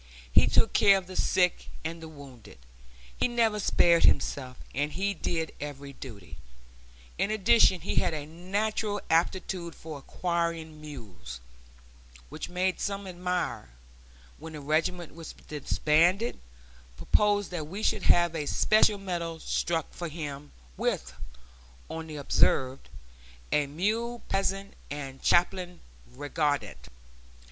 He took care of the sick and the wounded, he never spared himself, and he did every duty. In addition, he had a natural aptitude for acquiring mules, which made some admirer, when the regiment was disbanded, propose that we should have a special medal struck for him, with, on the obverse, "A Mule passant and Chaplain regardant."